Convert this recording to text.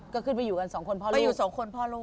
ก็ขึ้นไปอยู่กันสองคนพ่อลูก